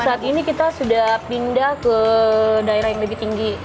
saat ini kita sudah pindah ke daerah yang lebih tinggi